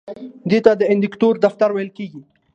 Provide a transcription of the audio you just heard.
دې ته د اندیکاتور دفتر ویل کیږي.